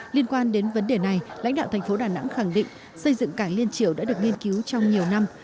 liên quan đến vấn đề này lãnh đạo thành phố đà nẵng khẳng định xây dựng cảng liên triều đã được nghiên cứu trong nhiều năm